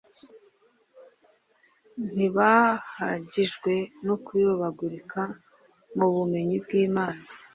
Ntibahagijwe no kuyobagurika mu bumenyi bw’Imana,